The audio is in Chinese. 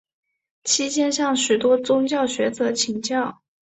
期间向许多宗教学者请教。